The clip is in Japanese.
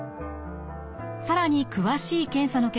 更に詳しい検査の結果